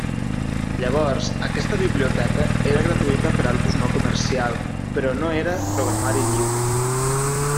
Llavors, aquesta biblioteca era gratuïta per a l'ús no comercial, però no era programari lliure.